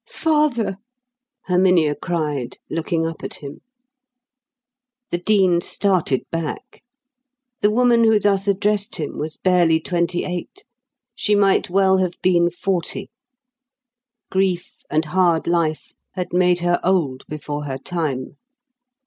"Father!" Herminia cried, looking up at him. The Dean started back. The woman who thus addressed him was barely twenty eight, she might well have been forty; grief and hard life had made her old before her time.